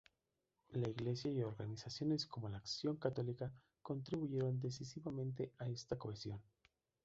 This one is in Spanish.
La Iglesia y organizaciones como la Acción Católica contribuyeron decisivamente a esta cohesión.